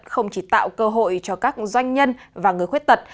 không chỉ tạo cơ hội cho các doanh nhân và người khuyết tật